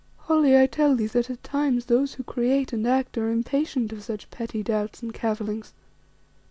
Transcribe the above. Holly, I tell thee that at times those who create and act are impatient of such petty doubts and cavillings.